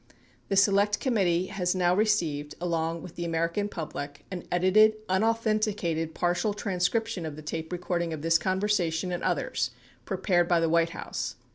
The Select Committee has now received — along with the American public — an edited, unauthenticated partial transcription of the tape recording of this conversation and others prepared by the White House.